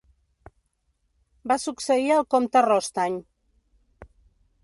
Va succeir al comte Rostany.